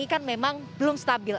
ini kan memang belum stabil